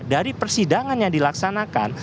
dari persidangan yang dilaksanakan